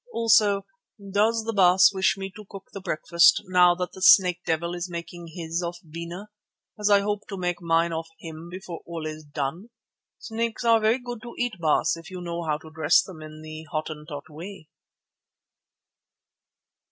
Also, does the Baas wish me to cook the breakfast, now that the snake devil is making his off Bena, as I hope to make mine off him before all is done. Snakes are very good to eat, Baas, if you know how to dress them in the Hottentot way."